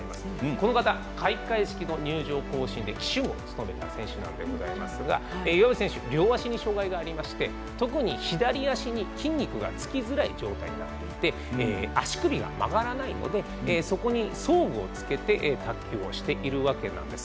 この方、開会式の入場行進で旗手を務めた選手なんでございますが両足に障がいがありまして特に左足に筋肉がつきづらい状態なので足首が曲がらないのでそこに装具をつけて卓球をしているわけです。